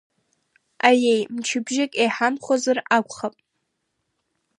Аеи, мчыбжьык еиҳамхозар акәхап.